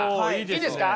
いいですか？